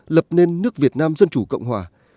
lập nên nước việt nam dân chủ cộng hòa